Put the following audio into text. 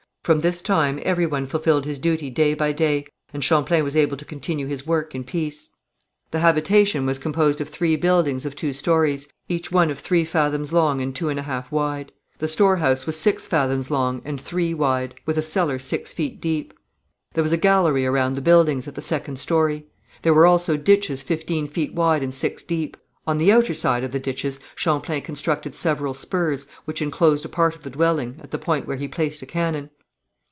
From this time every one fulfilled his duty day by day, and Champlain was able to continue his work in peace. The habitation was composed of three buildings of two stories, each one of three fathoms long and two and a half wide. The storehouse was six fathoms long and three wide, with a cellar six feet deep. There was a gallery around the buildings, at the second story. There were also ditches fifteen feet wide and six deep. On the outer side of the ditches Champlain constructed several spurs, which enclosed a part of the dwelling, at the point where he placed a cannon.